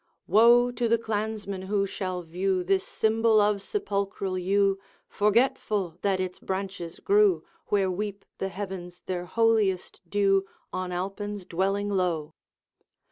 'Woe to the clansman who shall view This symbol of sepulchral yew, Forgetful that its branches grew Where weep the heavens their holiest dew On Alpine's dwelling low!